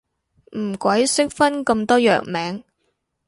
唔鬼識分咁多藥名